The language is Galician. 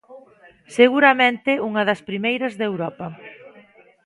Seguramente unha das primeiras de Europa.